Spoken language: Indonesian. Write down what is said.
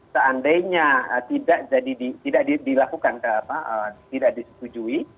seandainya tidak dilakukan tidak disetujui